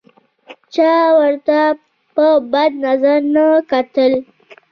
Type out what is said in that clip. چا ورته په بد نظر نه کتل.